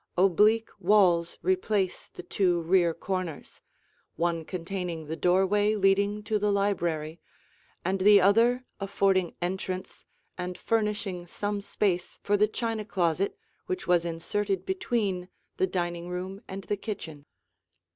Oblique walls replace the two rear corners, one containing the doorway leading to the library, and the other affording entrance and furnishing some space for the china closet which was inserted between the dining room and the kitchen.